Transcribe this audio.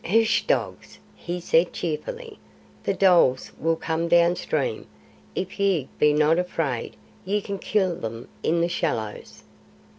"Hssh! Dogs," he said cheerfully. "The dholes will come down stream. If ye be not afraid ye can kill them in the shallows."